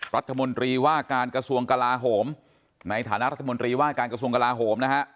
รัฐมนตรีว่าการกระทรวงกลาโหมในฐานะรัฐมนตรีว่าการกระทรวงกลาโหมนะฮะ